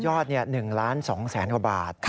ยอดนี่๑ล้าน๒แสนกว่าบาท